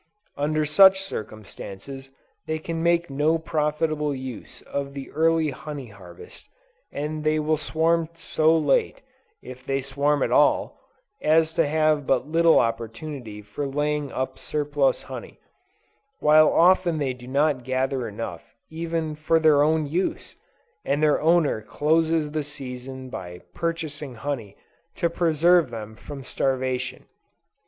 Under such circumstances, they can make no profitable use of the early honey harvest; and they will swarm so late, if they swarm at all, as to have but little opportunity for laying up surplus honey, while often they do not gather enough even for their own use, and their owner closes the season by purchasing honey to preserve them from starvation.